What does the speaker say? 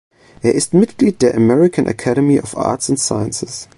Er ist Mitglied der American Academy of Arts and Sciences.